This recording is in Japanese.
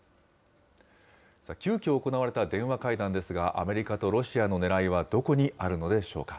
急きょ行われた電話会談ですが、アメリカとロシアのねらいは、どこにあるのでしょうか。